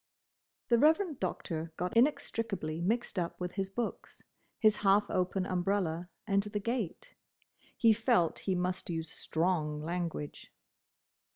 The Reverend Doctor got inextricably mixed up with his books, his half open umbrella, and the gate. He felt he must use strong language.